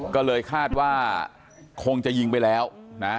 ก็เลยคาดว่าคงจะยิงไปแล้วนะ